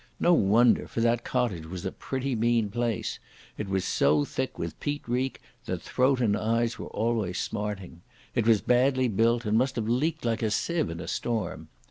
No wonder, for that cottage was a pretty mean place. It was so thick with peat reek that throat and eyes were always smarting. It was badly built, and must have leaked like a sieve in a storm.